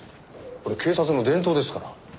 これ警察の伝統ですから。